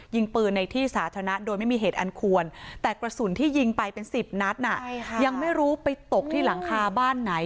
ยิงปืนในที่สาธารณะโดยไม่มีเหตุอันควรแต่กระสุนที่ยิงไปเป็น๑๐นัดยังไม่รู้ไปตกที่หลังคาบ้านไหน